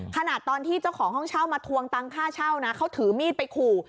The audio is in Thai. ขณะตอนที่เจ้าของห้องเช่ามาทวงตังค่าเช่านะเขาถือมีดไปขู่